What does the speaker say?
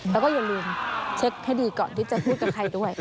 แล้วก็อย่าลืมเช็คให้ดีก่อนที่จะพูดกับใครด้วย